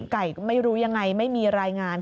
ไก่ก็ไม่รู้ยังไงไม่มีรายงาน